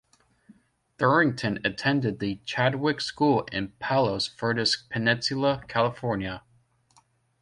Thorrington attended the Chadwick School in Palos Verdes Peninsula, California.